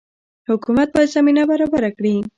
حکومت باید زمینه برابره کړي